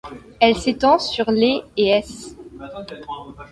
Elle s'étend sur les et s.